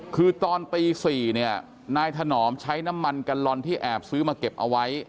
คือตอนตี๔เนี่ยนายถนอมใช้น้ำมันกัลลอนที่แอบซื้อมาเก็บเอาไว้